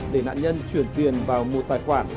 để nạn nhân chuyển tiền vào một tài khoản